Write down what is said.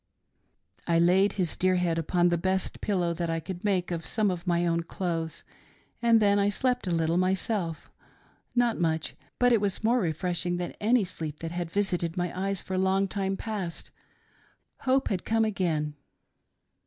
I laid his 232 TERRIBLE SCENES IN THE CAMP. dear head upon the best pillow that I could make of some of my own clothes, and then I slept a little myself— not much, but it was more refreshing than any sleep that had visited my eyes for long time past — hope had come again.